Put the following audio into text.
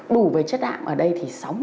đủ về chất đạm ở đây thì